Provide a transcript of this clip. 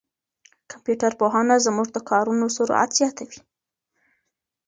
کمپيوټر پوهنه زموږ د کارونو سرعت زیاتوي.